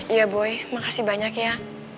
iya boy makasih banyak ya